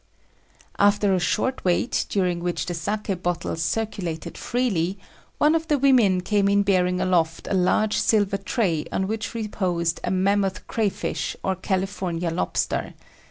After a short wait, during which the saki bottles circulated freely, one of the women came in bearing aloft a large silver tray on which reposed a mammoth crayfish, or California lobster.